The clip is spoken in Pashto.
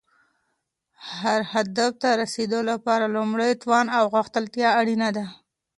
هر هدف ته رسیدو لپاره لومړی توان او غښتلتیا اړینه ده.